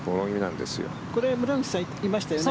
これ、村口さんいましたよね。